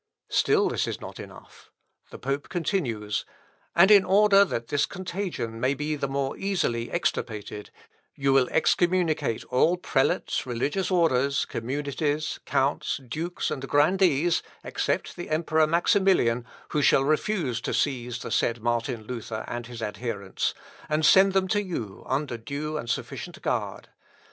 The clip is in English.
Still this is not enough. The pope continues: "And in order that this contagion maybe the more easily extirpated, you will excommunicate all prelates, religious orders, communities, counts, dukes, and grandees, except the Emperor Maximilian, who shall refuse to seize the said Martin Luther and his adherents, and send them to you, under due and sufficient guard.